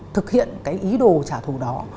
thực hiện cái ý đồ trả thù đó